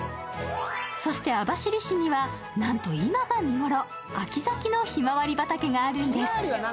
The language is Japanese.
そして網走市には、なんと今が見頃秋咲きのひまわり畑があるそうなんです。